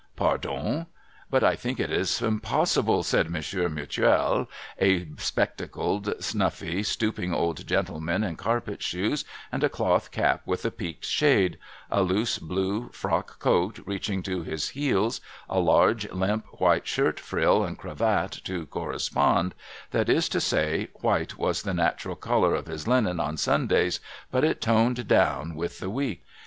' Pardon. But I think it is impossible,' said IMonsieur Mutuel, —• a spectacled, snuffy, stooping old gentleman in carpet shoes and a cloth cap with a jjeaked shade, a loose blue frock coat reaching to his heels, a large limp white shirt frill, and cravat to correspond, — that is to say, white was the natural colour of his linen on Sundays, but it toned down Avith the week.